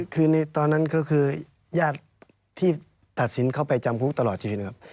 คือในตอนนั้นก็คือญาติที่ตัดสินเข้าไปจำคุกตลอดชีวิตนะครับ